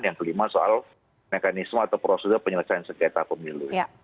yang kelima soal mekanisme atau prosedur penyelesaian sengketa pemilu